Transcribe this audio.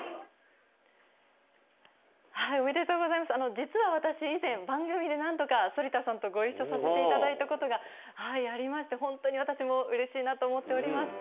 実は私、以前、番組で何度か、反田さんとご一緒させていただいたことがありまして、本当に私もうれしいなと思っております。